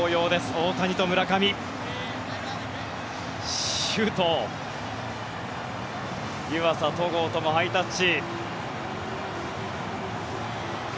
大谷と村上、周東湯浅、戸郷ともハイタッチ。